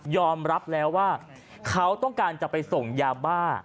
อมรับแล้วว่าเขาต้องการจะไปส่งยาบ้า